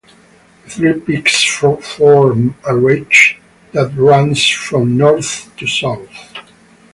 The three peaks form a ridge that runs from north to south.